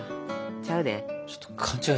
ちゃうで。